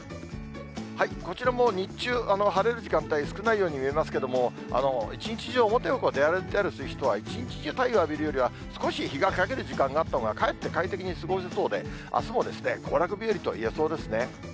こちらも日中、晴れる時間帯、少ないように見えますけれども、一日中、表を出歩いたりする人は、一日中、太陽浴びるよりは、少し日がかげる時間があったほうが、かえって快適に過ごせそうで、あすも行楽日和といえそうですね。